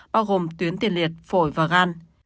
bao gồm tuyến tiền liệt phổi và gan